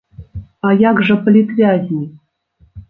А як жа палітвязні?